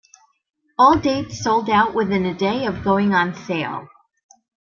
All dates sold out within a day of going on sale.